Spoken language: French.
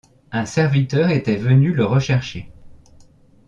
Un serviteur était venu le rechercher.